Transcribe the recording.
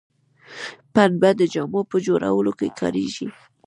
پنبه د جامو په جوړولو کې کاریږي